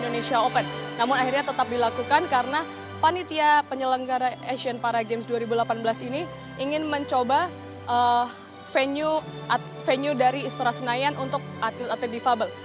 namun akhirnya tetap dilakukan karena panitia penyelenggara asian paragames dua ribu delapan belas ini ingin mencoba venue dari istora senayan untuk atlet atlet difabel